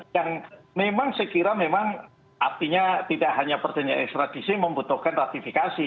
yang memang saya kira memang artinya tidak hanya perjanjian ekstradisi membutuhkan ratifikasi